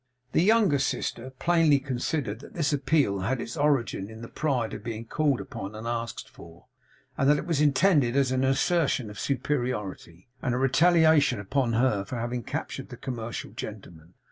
The younger sister plainly considered that this appeal had its origin in the pride of being called upon and asked for; and that it was intended as an assertion of superiority, and a retaliation upon her for having captured the commercial gentlemen.